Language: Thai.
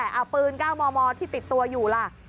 เอาปืน๙มมที่ติดตัวอยู่ล่ะ